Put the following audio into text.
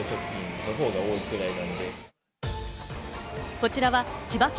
こちらは千葉県